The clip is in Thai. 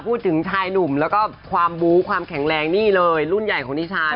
ผู้ชายหนุ่มแล้วก็ความบูความแข็งแรงนี่เลยรุ่นใหญ่ของนิชา